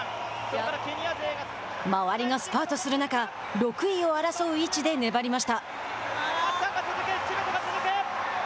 周りがスパートする中６位を争う位置で粘りました。